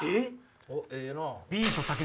ええな。